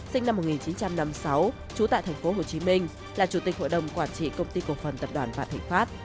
sinh năm một nghìn chín trăm năm mươi sáu trú tại tp hcm là chủ tịch hội đồng quản trị công ty cổ phần tập đoàn vạn thịnh pháp